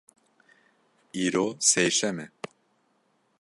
Îro sêşem e.